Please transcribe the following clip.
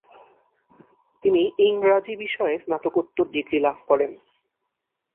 তিনি ইংরাজী বিষয়ে স্নাতকোত্তর ডিগ্রি লাভ করেন।